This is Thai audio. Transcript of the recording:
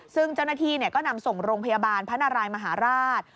ซึ่งเจ้าหน้าที่ก็นำส่งโรงพยาบาลพระนารายมหาราช